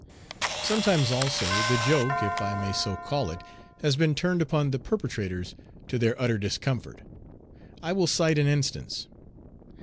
Sometimes, also, the joke, if I may so call it, has been turned upon the perpetrators to their utter discomfort. I will cite an instance.